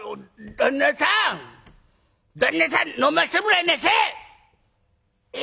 旦那さん飲ましてもらいなせえ！